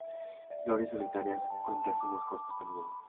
Flores solitarias o en racimos cortos terminales.